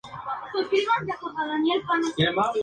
Es probable que la creciente importancia de esta sp.